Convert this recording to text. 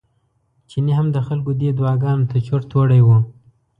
چيني هم د خلکو دې دعاګانو ته چورت وړی و.